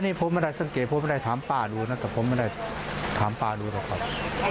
นี่ผมไม่ได้สังเกตผมไม่ได้ถามป้าดูนะแต่ผมไม่ได้ถามป้าดูหรอกครับ